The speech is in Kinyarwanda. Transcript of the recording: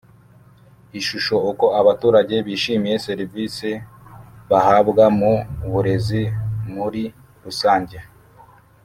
Ishusho Uko abaturage bishimiye serivisi bahabwa mu burezi muri rusange